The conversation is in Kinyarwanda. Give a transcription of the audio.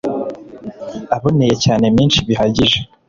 aboneye cyane menshi bihagije